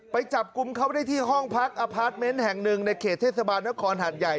ไปจับกลุ่มเขาได้ที่ห้องพักแห่ง๑ในเขตเทศบาลนครหัสใหญ่